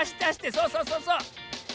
そうそうそうそう。